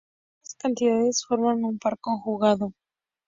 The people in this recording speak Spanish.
Estas cantidades forman un par conjugado.